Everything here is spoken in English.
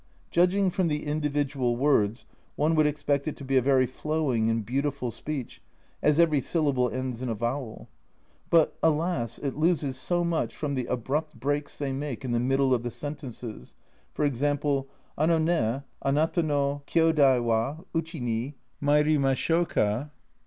Judged from the individual words one would expect it to be a very flowing and beautiful speech, as every syllable ends in a vowel, but alas, it loses so much from the abrupt breaks they make in the middle of the sentences, e.g. 78 A Journal from Japan "Ano ne anata no kiodai wa uchi ni mairimasho ka."